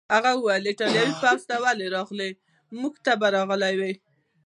هغې وویل: ایټالوي پوځ ته ولې راغلې؟ موږ ته به راغلی وای.